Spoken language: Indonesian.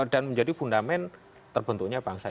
dan menjadi fundament terbentuknya bangsa ini